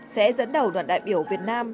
sẽ dẫn đầu đoàn đại biểu việt nam